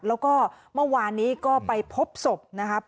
แล้วก็เมื่อวานนี้ก็ไปพบศพนะครับ